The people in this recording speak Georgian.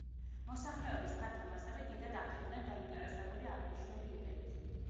მოსახლეობის ფართო მასები დიდად არ იყვნენ დაინტერესებული აღნიშნული იდეით.